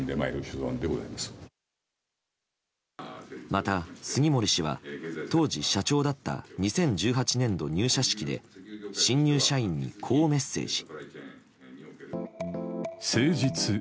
また杉森氏は、当時社長だった２０１８年度入社式で新入社員に、こうメッセージ。